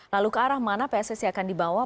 lalu ke arah mana pssi akan dibawa